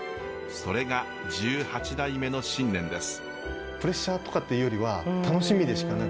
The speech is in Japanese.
それが１８代目の信念です。